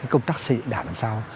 công tác xây dựng đảng làm sao